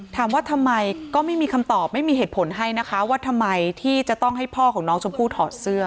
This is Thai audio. ถามว่าทำไมก็ไม่มีคำตอบไม่มีเหตุผลให้นะคะว่าทำไมที่จะต้องให้พ่อของน้องชมพู่ถอดเสื้อ